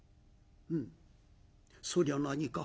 「うんそりゃ何か？